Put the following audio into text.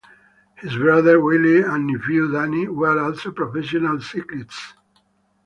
His brother Willy and nephew Danny were also professional cyclists.